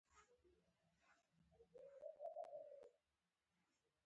ایا قناعت کوئ؟